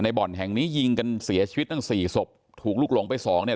บ่อนแห่งนี้ยิงกันเสียชีวิตตั้งสี่ศพถูกลุกหลงไปสองเนี่ย